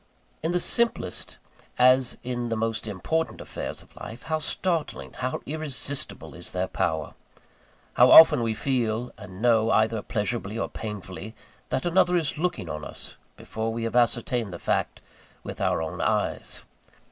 In the simplest, as in the most important affairs of life, how startling, how irresistible is their power! How often we feel and know, either pleasurably or painfully, that another is looking on us, before we have ascertained the fact with our own eyes!